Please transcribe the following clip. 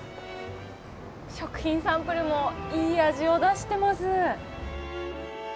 食品サンプルもいい味を出してます。